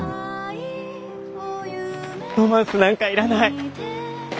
ロマンスなんかいらない。